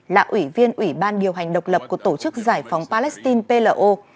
là ủy viên ủy ban điều hành độc lập của tổ chức giải phóng palestine plo